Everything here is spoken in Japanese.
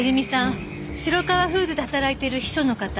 城川フーズで働いている秘書の方。